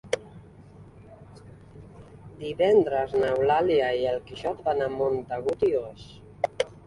Divendres n'Eulàlia i en Quixot van a Montagut i Oix.